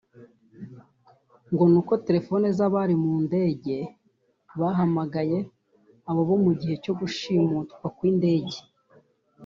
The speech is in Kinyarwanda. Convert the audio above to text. ngo ni uko telefoni z’abari mu ndege bahamagaye ababo mu gihe cyo gushimutwa kw’indege